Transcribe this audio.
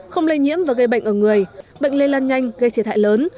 không lây nhiễm và gây bệnh ở người bệnh lây lan nhanh gây thiệt hại lớn